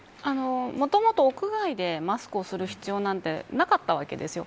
もともと屋外で、マスクをする必要なんてなかったわけですよ。